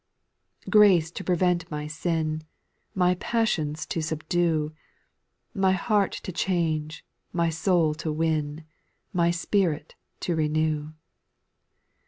2. Grace to prevent my sin. My passions to subdue. My heart to change, my soul to win, My spirit to renew.